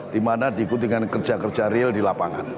di mana diikuti dengan kerja kerja real di lapangan